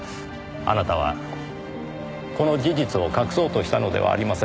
あなたはこの事実を隠そうとしたのではありませんか？